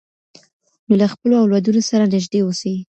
نو له خپلو اولادونو سره نږدې اوسئ.